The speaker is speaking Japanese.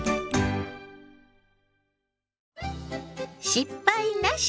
「失敗なし！